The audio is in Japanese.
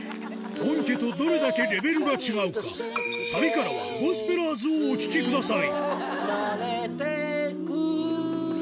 本家とどれだけレベルが違うか、サビからはゴスペラーズをお聴きください。